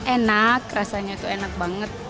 enak rasanya tuh enak banget